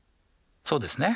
そうですね。